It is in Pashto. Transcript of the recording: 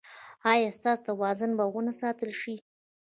ایا ستاسو توازن به و نه ساتل شي؟